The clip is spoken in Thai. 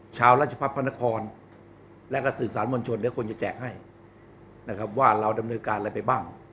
ชาวราชพัฒนครและก็สื่อสารมวลชนเดี๋ยวคนจะแจกให้นะครับว่าเราดำเนินการอะไรไปบ้าง